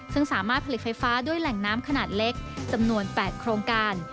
ซึ่งสามารถผลิตไฟฟ้าด้วยแหล่งน้ำขนาดเล็กจำนวน๘โครงการ